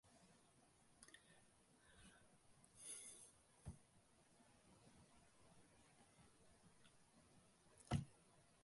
ஏறக்குறைய இருநூறு முன்னூறு ஆண்டுகளுக்கு முன்னர்கூட பல நாட்டவரும் ஒன்று சேர்ந்து ஒரே யுலகமாக இருந்திருப்பர் என்று எண்ணுவதற்கிடமில்லை.